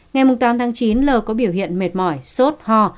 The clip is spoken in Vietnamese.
ngày tám tháng chín l có biểu hiện mệt mỏi sốt ho